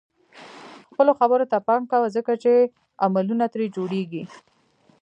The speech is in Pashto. خپلو خبرو ته پام کوه ځکه چې عملونه ترې جوړيږي.